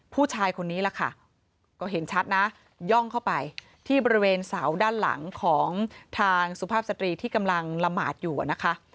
ผู้ชายคนนี้ล่ะค่ะก็เห็นชัดนะย่องเข้าไปที่บริเวณเสาด้านหลังของทางสุภาพสตรีที่กำลังละหมาดอยู่นะคะ